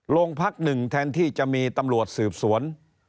โลงพัก๑แทนที่จะมีตำรวจสืบสวน